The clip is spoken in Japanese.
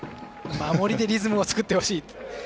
守りでリズムを作ってほしい。